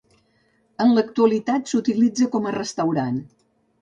En l'actualitat s'utilitza com a restaurant.